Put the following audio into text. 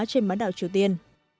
trên mát đảo triều tiên